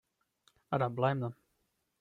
I don't blame them.